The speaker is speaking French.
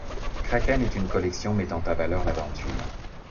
Kraken est une collection mettant en valeur l’aventure.